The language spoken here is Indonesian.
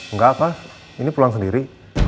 nggak pak ini pulang sendiri